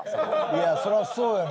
いやそりゃそうやろ。